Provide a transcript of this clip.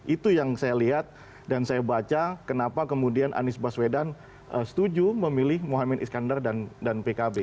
itu yang saya lihat dan saya baca kenapa kemudian anies baswedan setuju memilih mohamad iskandar dan pkb